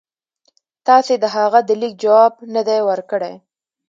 تاسي د هغه د لیک جواب نه دی ورکړی.